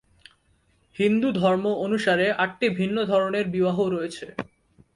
হিন্দু ধর্ম অনুসারে আটটি ভিন্ন ধরনের বিবাহ রয়েছে।